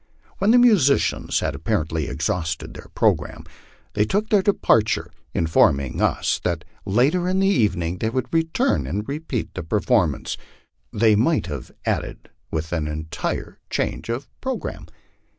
When the musicians had apparently exhausted their programme, they took their departure, informing us that later in the evening they would return and repeat the performance; they might have add ed, "with an entire change of programme."